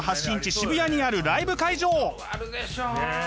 渋谷にあるライブ会場。